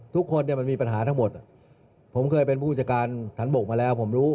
ทุกคนเนี่ยมันมีปัญหาทั้งหมดผมเคยเป็นผู้จัดการฐานบกมาแล้วผมรู้